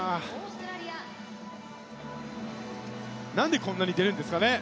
なんでこんなに出るんですかね？